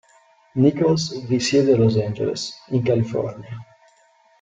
Nichols risiede a Los Angeles, in California.